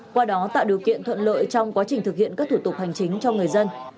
qua đó tạo điều kiện thuận lợi trong quá trình thực hiện các thủ tục hành chính cho người dân